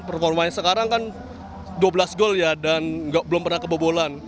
performanya sekarang kan dua belas gol ya dan belum pernah kebobolan